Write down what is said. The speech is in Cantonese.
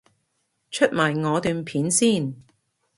出埋我段片先